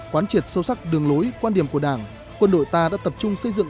quán triệt sâu sắc đường lối quan điểm của đảng quân đội ta đã tập trung xây dựng